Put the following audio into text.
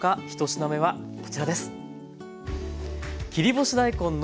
１品目はこちらです。